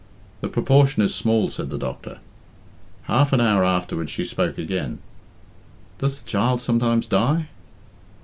"The proportion is small," said the doctor. Half an hour afterwards she spoke again. "Does the child sometimes die?"